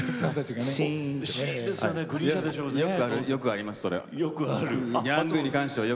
よくあります、それ。